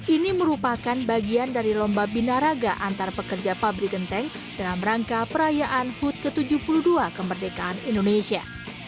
ini merupakan bagian dari lomba binaraga antar pekerja pabrik genteng dalam rangka perayaan hut ke tujuh puluh dua kemerdekaan indonesia